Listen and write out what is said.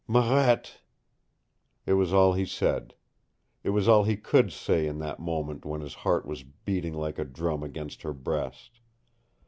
"Marette!" It was all he said. It was all he could say in that moment when his heart was beating like a drum against her breast.